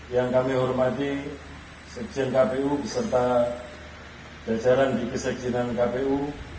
yang kami hormati seksen kpu beserta beceran di kesejenan kpu